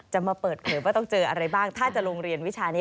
มาเปิดเผยว่าต้องเจออะไรบ้างถ้าจะโรงเรียนวิชานี้